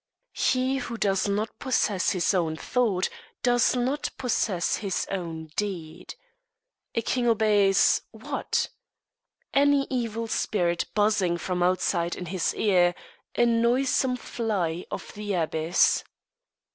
He who does not possess his own thought does not possess his own deed. A king obeys what? Any evil spirit buzzing from outside in his ear; a noisome fly of the abyss.